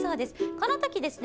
このときですね